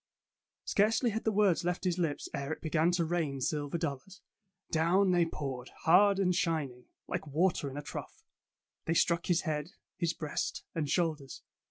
'' Scarcely had the words left his lips ere it began to rain silver dollars. Down they poured, hard and shining, like water in a trough. They struck his head, his breast, and shoulders.